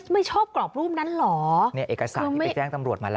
ไม่ชอบกรอบรูปนั้นเหรอ